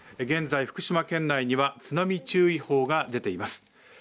現在福島県内には津波注意報が出ています。